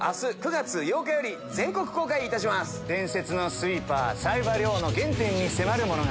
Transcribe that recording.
伝説のスイーパー冴羽の原点に迫る物語。